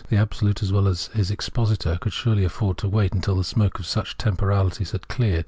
The Absolute, as well as his expositor, could surely afford to wait till the smoke of such temporalities had cleared.